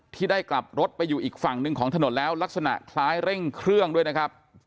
ที่ได้กลับรถไปอยู่อีกฝั่งหนึ่งของถนนแล้วลักษณะคล้ายเร่งเครื่องด้วยนะครับ